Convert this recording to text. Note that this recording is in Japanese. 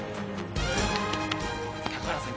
高原さん